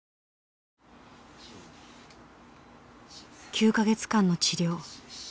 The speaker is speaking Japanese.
９か月間の治療。